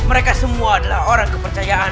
mereka semua adalah orang kepercayaan